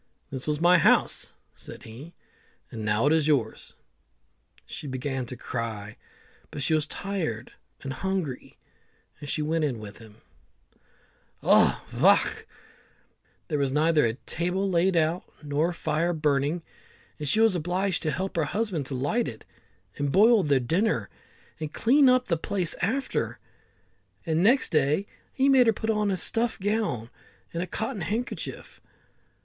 "This was my house," said he, "and now it's yours." She began to cry, but she was tired and hungry, and she went in with him. Ovoch! there was neither a table laid out, nor a fire burning, and she was obliged to help her husband to light it, and boil their dinner, and clean up the place after; and next day he made her put on a stuff gown and a cotton handkerchief.